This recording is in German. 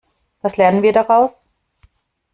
Was lernen wir daraus?